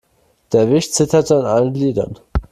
Der Wicht zitterte an allen Gliedern.